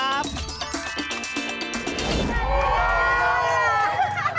สวัสดีครับ